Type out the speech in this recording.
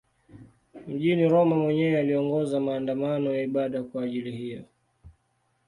Mjini Roma mwenyewe aliongoza maandamano ya ibada kwa ajili hiyo.